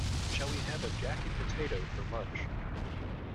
Shall we have a jacket potato for lunch?